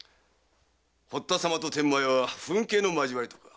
堀田様と天満屋は刎頸の交わりとか。